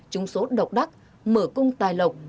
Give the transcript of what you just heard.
trung số độc đắc mở cung tài lộc